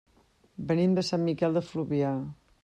Venim de Sant Miquel de Fluvià.